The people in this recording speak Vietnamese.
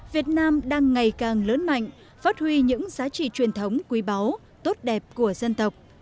việt nam đang ngày càng lớn mạnh phát huy những giá trị truyền thống quý báu tốt đẹp của dân tộc